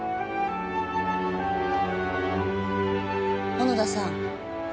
小野田さん。